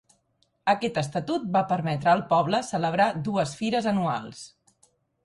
Aquest estatut va permetre al poble celebrar dues fires anuals.